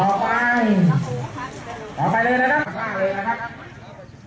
ต่อไปต่อไปเลยนะครับมากเลยนะครับ